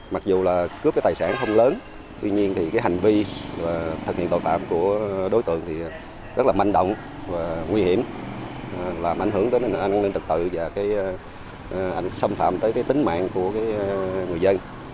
mặc dù là cướp cái tài sản không lớn tuy nhiên thì cái hành vi và thực hiện tội tạm của đối tượng thì rất là manh động và nguy hiểm làm ảnh hưởng tới nền an ninh trật tự và xâm phạm tới tính mạng của người dân